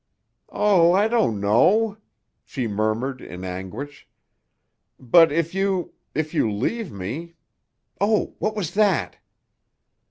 "Oh, I don't know!" she murmured in anguish. "But if you—if you leave me—Oh! What was that?"